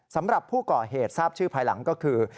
สำหรับผู้ก่อเหตุทราบชื่อภายหลังก็คือ